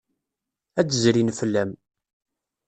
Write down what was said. Ad d-zrin fell-am.